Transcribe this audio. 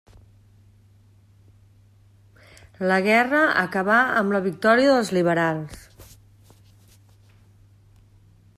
La guerra acabà amb la victòria dels liberals.